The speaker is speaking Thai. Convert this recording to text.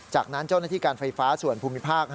จากนั้นเจ้าหน้าที่การไฟฟ้าส่วนภูมิภาค